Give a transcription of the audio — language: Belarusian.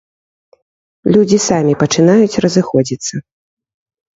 Людзі самі пачынаюць разыходзіцца.